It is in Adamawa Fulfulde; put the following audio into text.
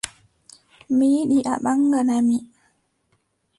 Mi yiɗi a ɓaŋgana mi.